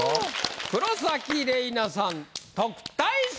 黒崎レイナさん特待生！